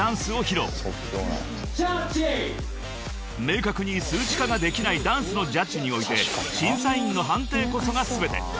［明確に数値化ができないダンスのジャッジにおいて審査員の判定こそが全て］